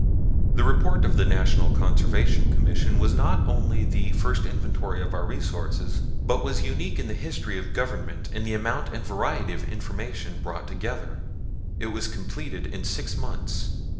The report of the National Conservation Commission was not only the first inventory of our resources, but was unique in the history of Government in the amount and variety of information brought together. It was completed in six months.